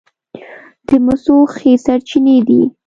د مسو ښې سرچینې دي.